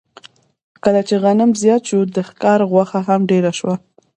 کله چې غنم زیات شو، د ښکار غوښه هم ډېره شوه.